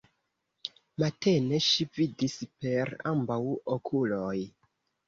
Matene ŝi vidis per ambaŭ okuloj.